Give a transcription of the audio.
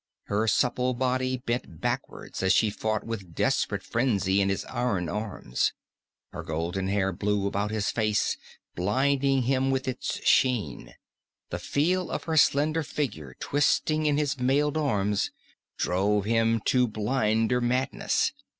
Her supple body bent backward as she fought with desperate frenzy in his iron arms. Her golden hair blew about his face, blinding him with its sheen; the feel of her slender figure twisting in his mailed arms drove him to blinder madness.